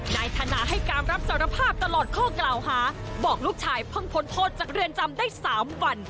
นายธนาให้การรับสารภาพตลอดข้อกล่าวหาบอกลูกชายเพิ่งพ้นโทษจากเรือนจำได้๓วัน